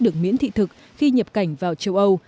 được miễn thị thực khi nhập cảnh vào châu âu